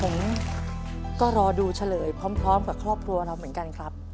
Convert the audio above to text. ผมก็รอดูเฉลยพร้อมกับครอบครัวเราเหมือนกันครับ